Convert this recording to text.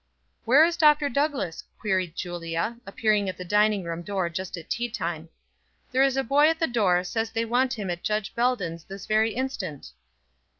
"Where is Dr. Douglass?" queried Julia, appearing at the dining room door just at tea time. "There is a boy at the door says they want him at Judge Beldon's this very instant."